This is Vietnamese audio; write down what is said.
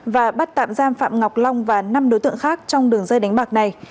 và bắt tạm giam phạm ngọc long và năm đối tượng khác trong đường dây đánh bạc này